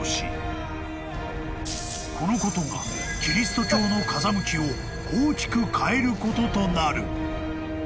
［このことがキリスト教の風向きを大きく変えることとなる］